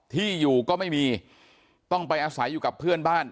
ที่อยู่ก็ไม่มีต้องไปอาศัยอยู่กับเพื่อนบ้าน